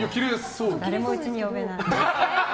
誰もうちに呼べない。